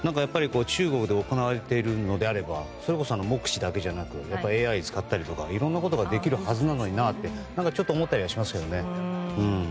中国で行われているのであればそれこそ目視だけじゃなくＡＩを使ったりとかいろんなことができるはずなのになって思ったりしますけどね。